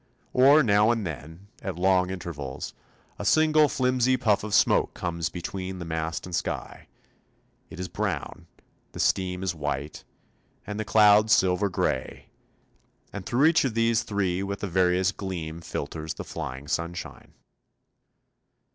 Or now and then, at long intervals, a single flimsy puff of smoke comes between mast and sky; it is brown, the steam is white, and the cloud silver grey; and through each of these three with a various gleam filters the flying sunshine.